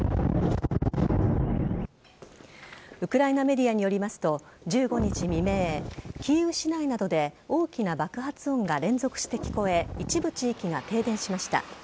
ウクライナメディアによりますと１５日未明キーウ市内などで大きな爆発音が連続して聞こえ一部地域が停電しました。